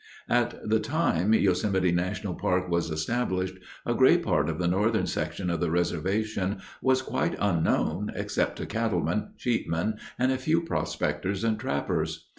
At the time Yosemite National Park was established a great part of the northern section of the reservation was quite unknown except to cattlemen, sheepmen, and a few prospectors and trappers.